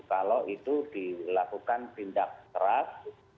kalau itu dilakukan tindak keras